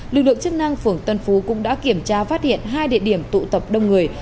lực lượng chức năng phường tân phú cũng đã kiểm tra phát hiện hai địa điểm tụ tập đông người